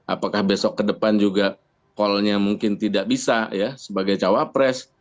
apakah besok ke depan juga call nya mungkin tidak bisa sebagai cawapres